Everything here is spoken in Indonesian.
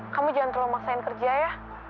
kamu jangan terlalu maksain kerja ya